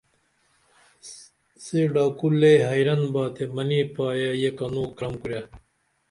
سے ڈاکو لے حیرن با تے منی پائیہ یے کنو کرم کُرے